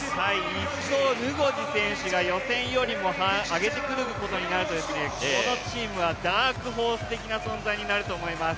１走のヌゴジ選手が予選よりも上げてくるとこのチームはダークホース的な存在になると思います。